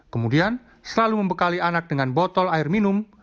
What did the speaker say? kemudian selalu membekali anak dengan botol air minum